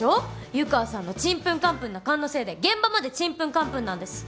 湯川さんのちんぷんかんぷんな勘のせいで現場までちんぷんかんぷんなんです。